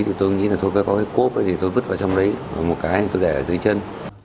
thì tôi nghĩ là thôi có cái cốp thì tôi vứt vào trong đấy một cái tôi để ở dưới chân